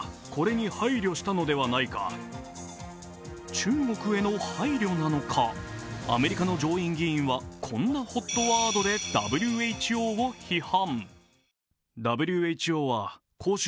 中国への配慮なのか、アメリカの上院議員はこんなＨＯＴワードでＷＨＯを批判。